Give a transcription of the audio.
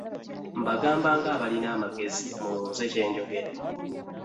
Mbagamba ng'abalina amagezi; mulowooze kye njogera.